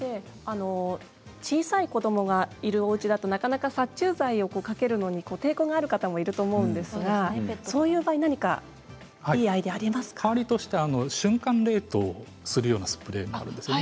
小さい子どもがいるおうちだとなかなか殺虫剤をかけるのに抵抗がある方もいると思うんですがそういう場合、何か瞬間冷凍するようなスプレーもあるんですね